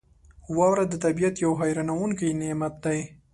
• واوره د طبعیت یو حیرانونکی نعمت دی.